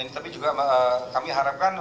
tapi juga kami harapkan